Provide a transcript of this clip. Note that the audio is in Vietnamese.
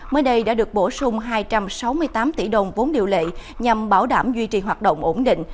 mới đây đã được bổ sung hai trăm sáu mươi tám tỷ đồng vốn điều lệ nhằm bảo đảm duy trì hoạt động ổn định